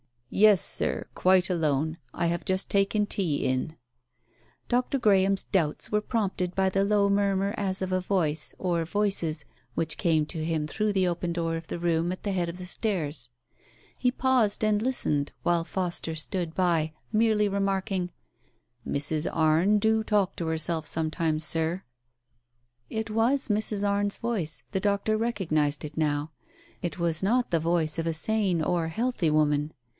"Yes, Sir, quite alone. I have just taken tea in." Dr. Graham's doubts were prompted by the low murmur as of a voice, or voices, which came to him 1 Digitized by Google U4 TALES OF THE UNEASY through the open door of the room at the head of the stairs. He paused and listened while Foster stood by, merely remarking, "Mrs. Arne do talk to herself some times, Sir." It was Mrs. Arne's voice — the doctor recognized it now. It was not the voice of a sane or healthy woman.